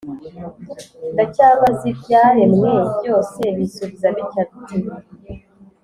ndacyabaz’ ibyaremwe byose, binsubiza bitya biti: